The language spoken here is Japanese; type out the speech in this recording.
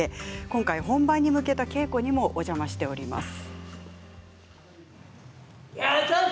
今回、本番に向けた稽古にもお邪魔しています。